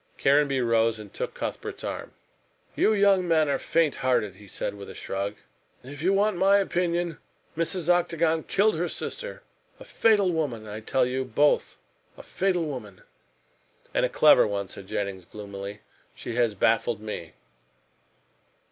Caranby rose and took Cuthbert's arm. "You young men are faint hearted," he said, with a shrug. "If you want my opinion, Mrs. Octagon killed her sister. A fatal woman, I tell you both a fatal woman." "And a clever one," said Jennings gloomily, "she has baffled me."